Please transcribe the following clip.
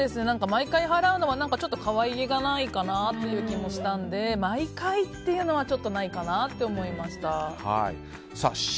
毎回、払うのは可愛げがないかなという気がしたので毎回っていうのはないかなと思いました。